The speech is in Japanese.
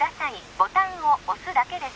ボタンを押すだけです